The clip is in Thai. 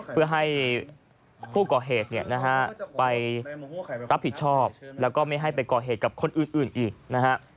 เพื่อให้ผู้ก่อเหตุเนี่ยนะฮะไปรับผิดชอบแล้วก็ไม่ให้ไปก่อเหตุกับคนอื่นอีกนะฮะ